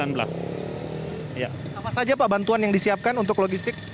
apa saja pak bantuan yang disiapkan untuk logistik